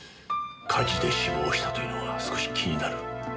火事で死亡したというのが少し気になる。